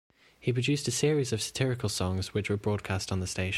He produced a series of satirical songs which were broadcast on the station.